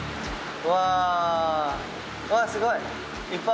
うわ。